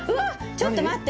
ちょっと待って！